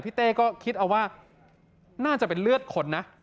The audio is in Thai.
เต้ก็คิดเอาว่าน่าจะเป็นเลือดคนนะ